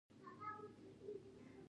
آیا حکومت له دوی سره تړونونه نه کوي؟